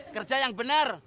kerja yang bener